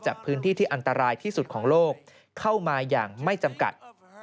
พื้นที่ที่อันตรายที่สุดของโลกเข้ามาอย่างไม่จำกัด